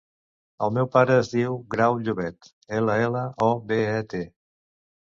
El meu pare es diu Grau Llobet: ela, ela, o, be, e, te.